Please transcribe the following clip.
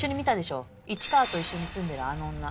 市川と一緒に住んでるあの女。